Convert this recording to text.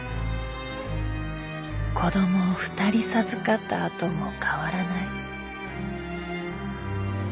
子供を２人授かったあとも変わらない。